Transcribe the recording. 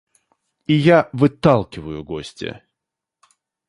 И я выталкиваю гостя.